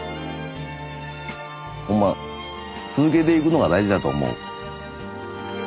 ほんま続けていくのが大事だと思う。